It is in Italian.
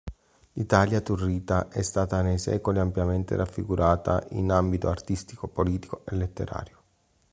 L'Italia turrita è stata nei secoli ampiamente raffigurata in ambito artistico, politico e letterario.